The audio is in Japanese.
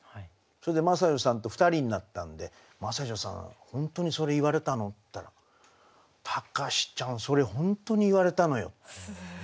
それで真砂女さんと２人になったんで「真砂女さん本当にそれ言われたの？」って言ったら「高士ちゃんそれ本当に言われたのよ」。